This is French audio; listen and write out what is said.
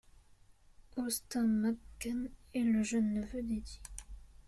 Austin McCann est le jeune neveu d'Edie.